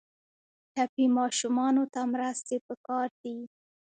ټپي ماشومانو ته مرستې پکار دي.